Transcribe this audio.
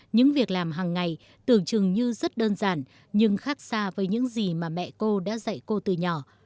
những việc làm hàng ngày tưởng chừng như rất đơn giản nhưng khác xa với những gì mà mẹ cô đã dạy cô từ nhỏ